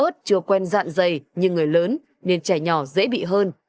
trẻ lớn nên trẻ nhỏ dễ bị hơn